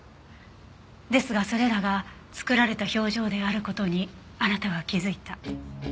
ですがそれらが作られた表情である事にあなたは気づいた。